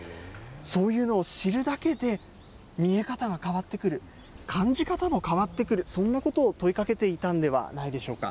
そういうのを知るだけで、見え方が変わってくる、感じ方も変わってくる、そんなことを問いかけていたんではないでしょうか。